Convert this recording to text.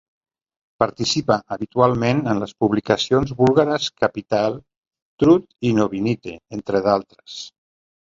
Participa habitualment en les publicacions búlgares Capital, Trud i Novinite, entre d'altres.